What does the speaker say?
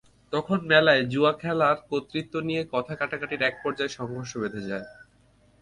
তখন মেলায় জুয়া খেলার কর্তৃত্ব নিয়ে কথা-কাটাকাটির একপর্যায়ে সংঘর্ষ বেধে যায়।